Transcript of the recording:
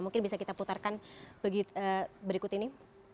mungkin bisa kita putarkan berikut ini